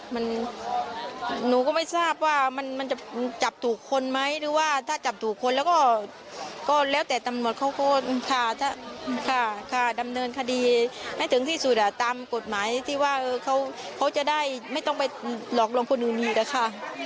มันหนูก็ไม่ทราบว่ามันจะจับถูกคนไหมหรือว่าถ้าจับถูกคนแล้วก็ก็แล้วแต่ตำรวจเขาก็ดำเนินคดีให้ถึงที่สุดอ่ะตามกฎหมายที่ว่าเขาจะได้ไม่ต้องไปหลอกลวงคนอื่นอีกอะค่ะ